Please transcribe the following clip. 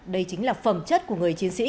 đây chính là phẩm chất của người chiến sĩ